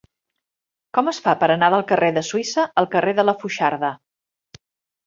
Com es fa per anar del carrer de Suïssa al carrer de la Foixarda?